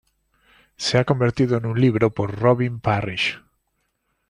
Se ha convertido en un libro por Robin Parrish.